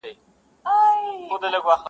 پر وزر د توتکۍ به زېری سپور وي-